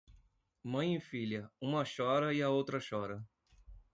Mãe e filha, uma chora e a outra chora.